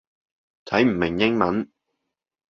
睇唔明英文